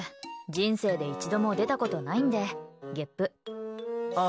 人生で一度も出たことないんでゲップ。